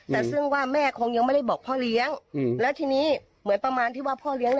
แต่ซึ่งว่าแม่คงยังไม่ได้บอกพ่อเลี้ยงแล้วทีนี้เหมือนประมาณที่ว่าพ่อเลี้ยง